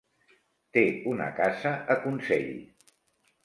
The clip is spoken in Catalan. Té una casa a Consell.